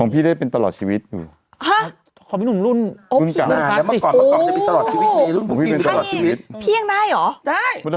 ๕ปีต่อครั้งหรอครับ